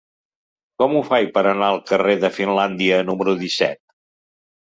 Com ho faig per anar al carrer de Finlàndia número disset?